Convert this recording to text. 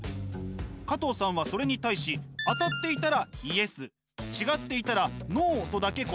加藤さんはそれに対し当たっていたらＹＥＳ違っていたらＮＯとだけ答えます。